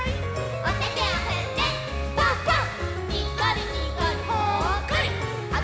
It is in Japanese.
おててをふってパンパン！